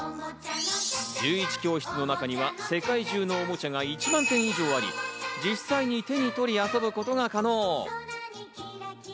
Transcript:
１１教室の中には、世界中のおもちゃが１万点以上あり、実際に手に取り遊ぶことが可能。